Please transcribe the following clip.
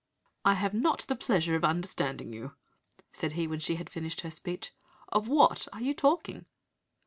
"'I have not the pleasure of understanding you,' said he, when she had finished her speech. 'Of what are you talking?'